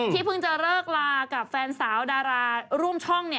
เพิ่งจะเลิกลากับแฟนสาวดาราร่วมช่อง